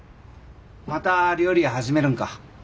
また料理屋始めるんか？